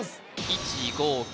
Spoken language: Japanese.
１５９